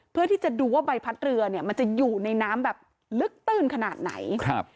เพื่อที่จะดูว่าใบพัดเรือเนี่ยมันจะอยู่ในน้ำแบบลึกตื้นขนาดไหนครับ